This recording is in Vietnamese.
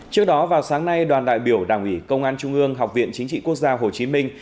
trước đó vào sáng nay đoàn đại biểu đảng ủy công an trung ương học viện chính trị quốc gia hồ chí minh